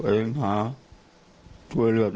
หาตัวเองหาช่วยเรือตัวเองนะครับ